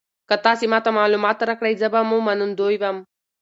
که تاسي ما ته معلومات راکړئ زه به منندوی یم.